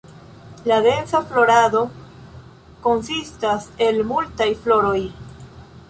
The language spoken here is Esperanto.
La densa floraro konsistas el multaj floroj.